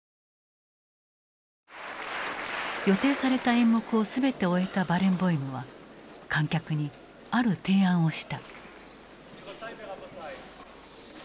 予定された演目を全て終えたバレンボイムは観客にある提案をした。